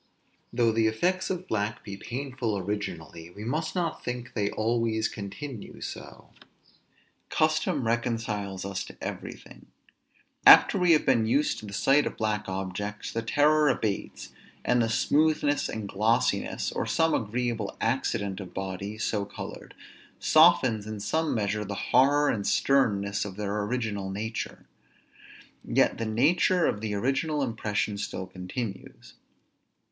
Though the effects of black be painful originally, we must not think they always continue so. Custom reconciles us to everything. After we have been used to the sight of black objects, the terror abates, and the smoothness and glossiness, or some agreeable accident of bodies so colored, softens in some measure the horror and sternness of their original nature; yet the nature of the original impression still continues.